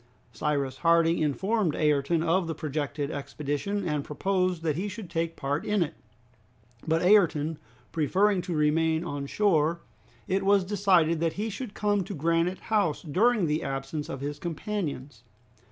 Cyrus Harding informed Ayrton of the projected expedition, and proposed that he should take part in it, but Ayrton preferring to remain on shore, it was decided that he should come to Granite House during the absence of his companions.